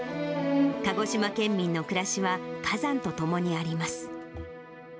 鹿児島県民の暮らしは、火山とともにあります。